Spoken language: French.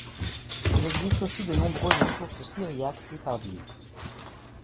Il existe aussi de nombreuses sources syriaques plus tardives.